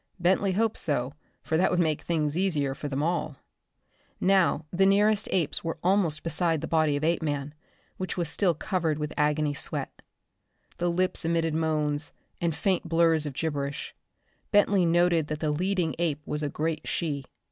Bentley hoped so, for that would make things easier for them all. Now the nearest apes were almost beside the body of Apeman, which was still covered with agony sweat. The lips emitted moans and faint blurs of gibberish. Bentley noted that the leading ape was a great she.